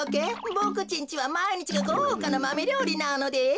ボクちんちはまいにちがごうかなマメりょうりなのです。